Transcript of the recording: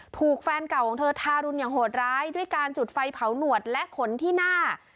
ถูกแฟนเก่าของเธอทารุณอย่างโหดร้ายด้วยการจุดไฟเผาหนวดและขนที่หน้า